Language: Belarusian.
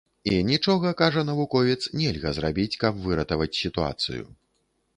І нічога, кажа навуковец, нельга зрабіць, каб выратаваць сітуацыю.